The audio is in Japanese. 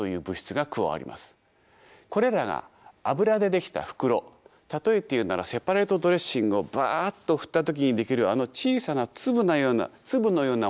これらが油で出来た袋例えて言うならセパレートドレッシングをバッと振った時に出来るあの小さな粒のようなものに覆われます。